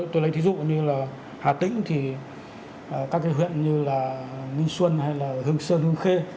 tôi lấy ví dụ như là hà tĩnh thì các cái huyện như là minh xuân hay là hương sơn hương khê